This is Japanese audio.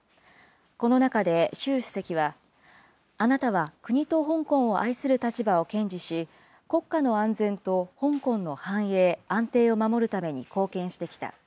この中で習主席は、あなたは国と香港を愛する立場を堅持し、国家の安全と香港の繁栄・安定を守るために貢献してきた。